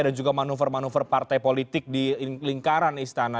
dan juga manuver manuver partai politik di lingkaran istana